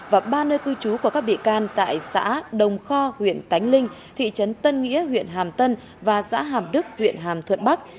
và ba nơi cư trú của các bị can tại xã đồng kho huyện tánh linh thị trấn tân nghĩa huyện hàm tân và xã hàm đức huyện hàm thuận bắc